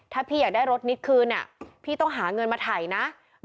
ถ้าพี่อยากได้รถนิดคืนพี่ต้องหาเงินมาถ่ายนะ